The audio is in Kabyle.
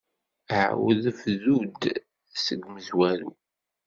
Ɛawed bdu-d seg umezwaru.